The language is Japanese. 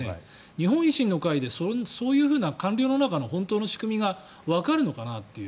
日本維新の会で、そういうふうな官僚の中の本当の仕組みがわかるのかなっていう。